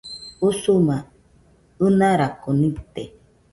Usuma ɨnarako nite